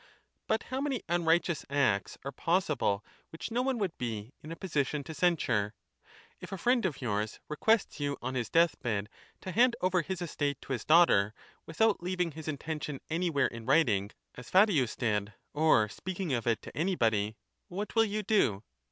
But how many unrighteous acts are possible which no one would be in a position i to censure ! If a friend of yours requests you on his death bed to hand over his estate to his daughter, without leaving his intention anywhere in writing, as Fadiusdid, or speaking of it to anybody, what will you do